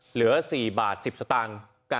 เหลือ๔บาท๑๐สตางค์